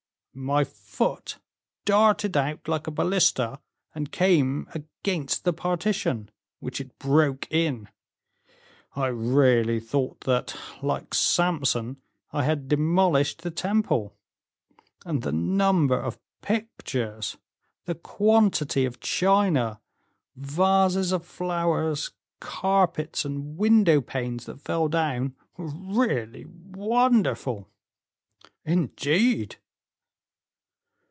"My foot darted out like a ballista, and came against the partition, which it broke in; I really thought that, like Samson, I had demolished the temple. And the number of pictures, the quantity of china, vases of flowers, carpets, and window panes that fell down were really wonderful." "Indeed!"